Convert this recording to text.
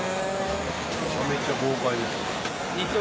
めちゃめちゃ豪快ですね。